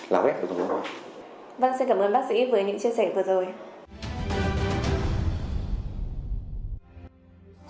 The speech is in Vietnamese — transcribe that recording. là vét hệ thống hạch